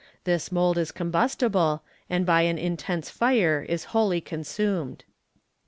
This mould is combustible, and by an intense fire is wholly consumed.